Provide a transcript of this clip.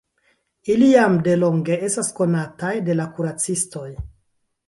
Ili jam delonge estas konataj de la kuracistoj.